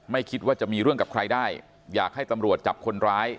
คิดว่าจะมีเรื่องกับใครได้อยากให้ตำรวจจับคนร้าย